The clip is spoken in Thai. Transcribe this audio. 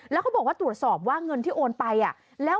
โหโหโหโหโหโห